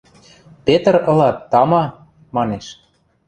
– Петр ылат, тама, – манеш.